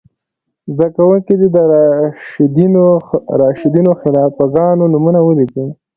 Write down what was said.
زده کوونکي دې د راشدینو خلیفه ګانو نومونه ولیکئ.